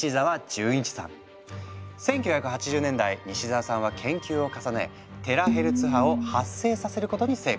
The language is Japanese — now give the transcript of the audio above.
１９８０年代西澤さんは研究を重ねテラヘルツ波を発生させることに成功。